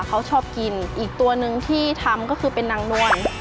เขาชอบกินอีกตัวหนึ่งที่ทำก็คือเป็นนางนวล